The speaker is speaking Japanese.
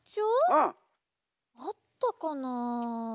☎うん！あったかなあ。